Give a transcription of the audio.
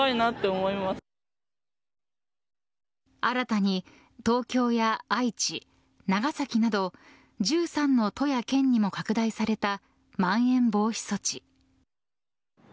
新たに東京や愛知長崎など１３の都や県にも拡大されたまん延防止措置。